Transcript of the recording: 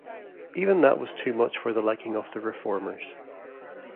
Even that was too much for the liking of the Reformers.